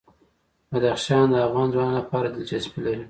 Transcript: بدخشان د افغان ځوانانو لپاره دلچسپي لري.